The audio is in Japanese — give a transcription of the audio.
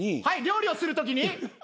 はい料理をするときに？